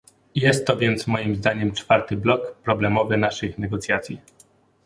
Jest to więc moim zdaniem czwarty blok problemowy naszych negocjacji